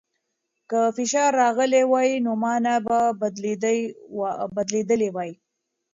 که فشار راغلی وای، نو مانا به بدلېدلې وای.